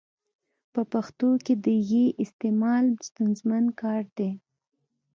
په پښتو کي د ي استعمال ستونزمن کار دی.